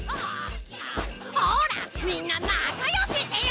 ほらみんななかよしぜよ！